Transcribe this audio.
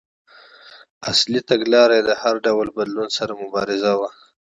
اصلي تګلاره یې د هر ډول بدلون سره مبارزه وه.